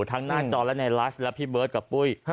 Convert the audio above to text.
ทั้งหน้าจอและในรัสและพี่เบิร์ดกับปุ้ย